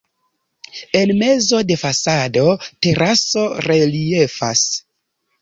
En mezo de fasado teraso reliefas.